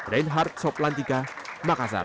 reinhard soplantika makassar